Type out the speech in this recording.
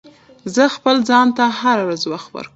زه خپل ځان ته هره ورځ وخت ورکوم.